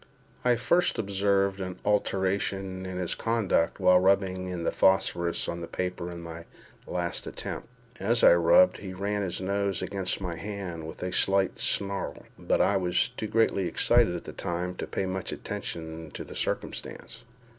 I first observed an alteration in his conduct while rubbing in the phosphorus on the paper in my last attempt. As I rubbed, he ran his nose against my hand with a slight snarl; but I was too greatly excited at the time to pay much attention to the circumstance.